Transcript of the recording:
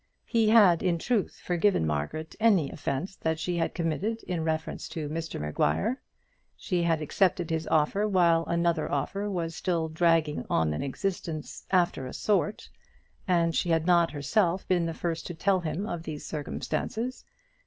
He had, in truth, forgiven Margaret any offence that she had committed in reference to Mr Maguire. She had accepted his offer while another offer was still dragging on an existence after a sort, and she had not herself been the first to tell him of these circumstances.